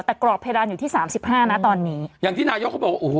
แต่กรอบเพดานอยู่ที่สามสิบห้านะตอนนี้อย่างที่นายกเขาบอกว่าโอ้โห